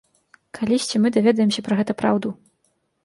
Калісьці мы даведаемся пра гэта праўду.